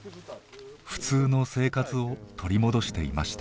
普通の生活を取り戻していました。